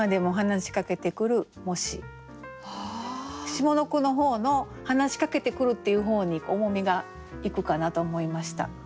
下の句の方の「話しかけてくる」っていう方に重みがいくかなと思いました。